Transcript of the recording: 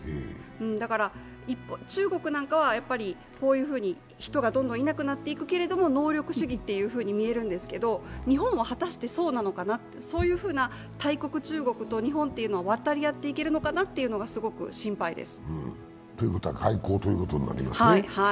だから、中国なんかはこういうふうに人がどんどんいなくなっていくけど能力主義と見えるんですけど、日本は果たしてそうなのかな、そういう大国・中国と日本というのは渡り合っていけるのかなというのが心配です。